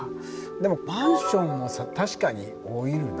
でもマンションも確かに老いるな。